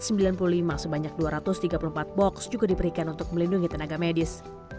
sebanyak dua ratus tiga puluh empat box juga diberikan untuk melindungi tenaga medis